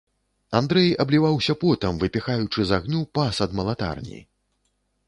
Андрэй абліваўся потам, выпіхаючы з агню пас ад малатарні.